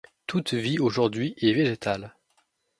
Toute vie aujourd'hui est végétale.